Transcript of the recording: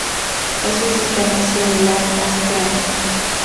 Es un sistema similar a Steam.